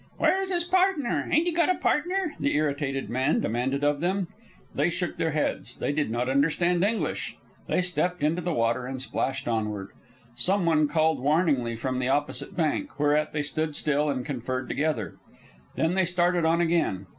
"Where's his pardner? Ain't he got a pardner?" the irritated man demanded of them. They shook their heads. They did not understand English. They stepped into the water and splashed onward. Some one called warningly from the opposite bank, whereat they stood still and conferred together. Then they started on again.